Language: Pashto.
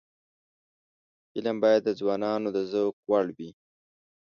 فلم باید د ځوانانو د ذوق وړ وي